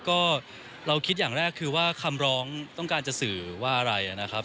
ก็เราคิดอย่างแรกคือว่าคำร้องต้องการจะสื่อว่าอะไรนะครับ